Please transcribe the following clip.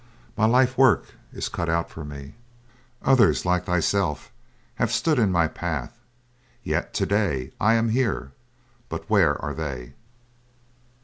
My life work is cut out for me. Others, like thyself, have stood in my path, yet today I am here, but where are they?